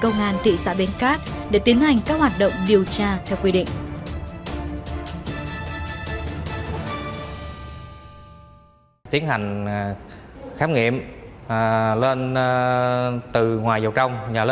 công an thị xã bến cát tiến hành khám nghiệm tỉ mỉ tử thi